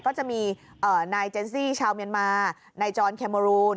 ก็จะมีนายเจนซี่ชาวเมียนมานายจรแคโมรูน